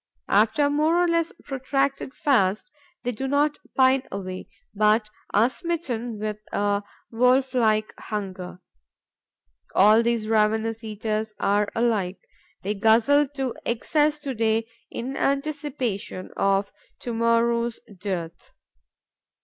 After a more or less protracted fast, they do not pine away, but are smitten with a wolf like hunger. All these ravenous eaters are alike: they guzzle to excess to day, in anticipation of to morrow's dearth.